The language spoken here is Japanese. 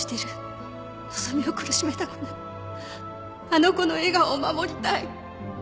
あの子の笑顔を守りたい